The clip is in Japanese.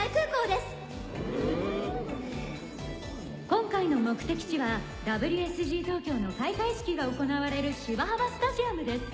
今回の目的地はＷＳＧ東京の開会式が行われる芝浜スタジアムです。